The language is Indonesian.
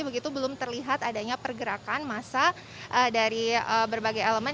begitu belum terlihat adanya pergerakan masa dari berbagai elemen